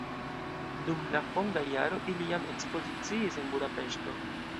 Dum la fonda jaro ili jam ekspoziciis en Budapeŝto.